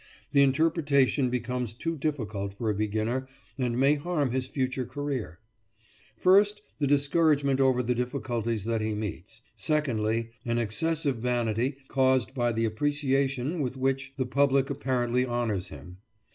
The interpretation becomes too difficult for a beginner and may harm his future career: first, the discouragement over the difficulties that he meets; secondly, an excessive vanity caused by the appreciation with which the public apparently honours him.